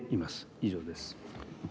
以上です。